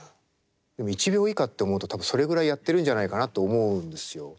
１秒以下って思うと多分それぐらいやってるんじゃないかなと思うんですよ。